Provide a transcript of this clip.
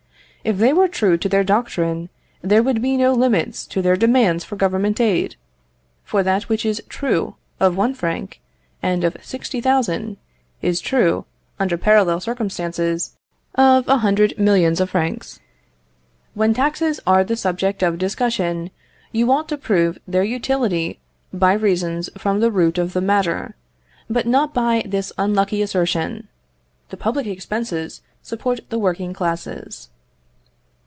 If they were true to their doctrine, there would be no limits to their demands for government aid; for that which is true of one franc and of 60,000 is true, under parallel circumstances, of a hundred millions of francs. When taxes are the subject of discussion, you ought to prove their utility by reasons from the root of the matter, but not by this unlucky assertion "The public expenses support the working classes."